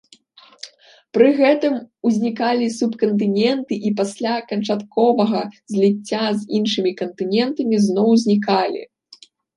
Пры гэтым узнікалі субкантыненты і пасля канчатковага зліцця з іншымі кантынентамі зноў знікалі.